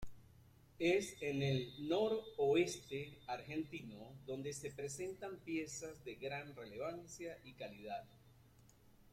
Es en el noroeste argentino donde se presentan piezas de gran relevancia y calidad.